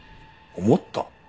思った？